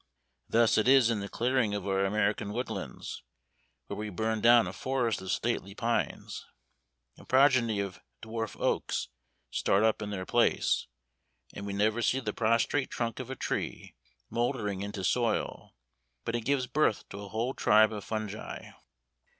Thus it is in the clearing of our American woodlands; where we burn down a forest of stately pines, a progeny of dwarf oaks start up in their place; and we never see the prostrate trunk of a tree mouldering into soil, but it gives birth to a whole tribe of fungi.